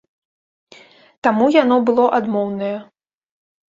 Таму яно было адмоўнае.